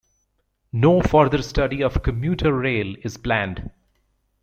No further study of commuter rail is planned.